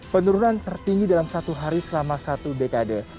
penurunan tertinggi dalam satu hari selama satu dekade